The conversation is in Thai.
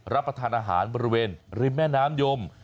รับประทานอาหารบริเวณริมแม่น้ำยม